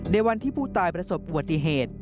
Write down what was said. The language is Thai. ในวันที่ผู้ตายประสบอุบัติเหตุ